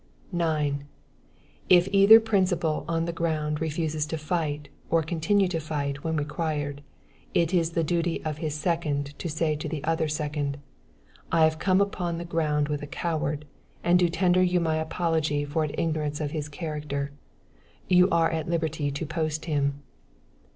9. If either principal on the ground refuses to fight or continue the fight when required, it is the duty of his second to say to the other second: "I have come upon the ground with a coward, and do tender you my apology for an ignorance of his character; you are at liberty to post him."